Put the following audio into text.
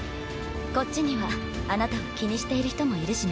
こっちにはあなたを気にしている人もいるしね。